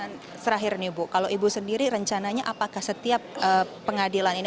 nah terakhir nih bu kalau ibu sendiri rencananya apakah setiap pengadilan ini